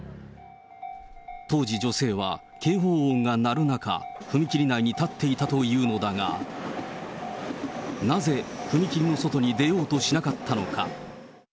当時、女性は警報音が鳴る中、踏切内に立っていたというのだが、なぜ踏切の外に出ようとしなかったのか。